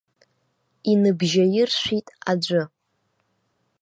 Иныбжьаиршәит аӡәы.